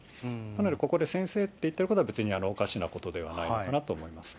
なのでここで先生って言ってることは、別におかしなことではないのかなと思います。